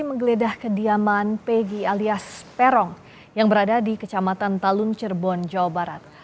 menggeledah kediaman pegi alias peron yang berada di kecamatan talun cirebon jawa barat